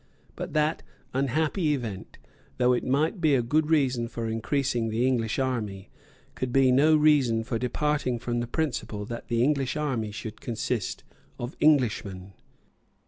But that unhappy event, though it might be a good reason for increasing the English army, could be no reason for departing from the principle that the English army should consist of Englishmen.